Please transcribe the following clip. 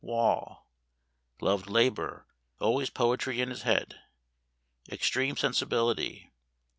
Wall_. Loved labour always poetry in his head. _Extreme sensibility.